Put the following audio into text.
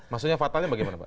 maksudnya fatalnya bagaimana pak